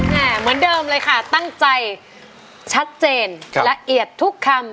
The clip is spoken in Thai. เหมือนเดิมเลยค่ะตั้งใจชัดเจนละเอียดทุกคำ